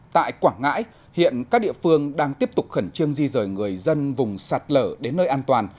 tại quảng ngãi hiện các địa phương đang tiếp tục khẩn trương di rời người dân vùng sạt lở đến nơi an toàn